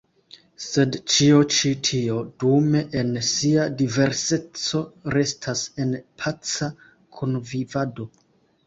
Sed ĉio ĉi tio, dume, en sia diverseco restas en paca kunvivado.